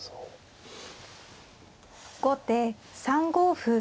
後手３五歩。